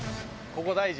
ここ大事。